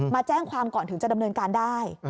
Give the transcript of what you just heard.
มาแจ้งความก่อนถึงจะดำเนินการได้